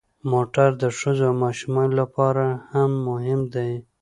موټر د ښځو او ماشومانو لپاره هم مهم دی.